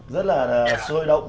rất là sôi động